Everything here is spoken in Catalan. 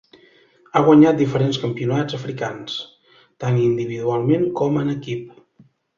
Ha guanyat diferents campionats africans, tant individualment com en equip.